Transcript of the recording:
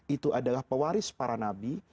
itu adalah pewaris para nabi